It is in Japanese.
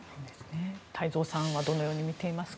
太蔵さんはどのように見ていますか？